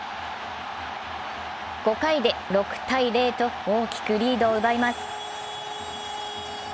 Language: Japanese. ５回で６−０と大きくリードを奪います。